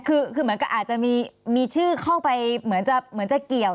คือเหมือนกับอาจจะมีชื่อเข้าไปเหมือนจะเหมือนจะเกี่ยว